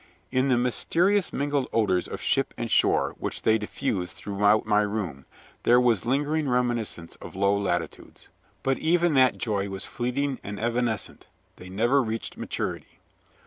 In the mysteriously mingled odors of ship and shore which they diffused throughout my room, there was lingering reminiscence of low latitudes. But even that joy was fleeting and evanescent: they never reached maturity.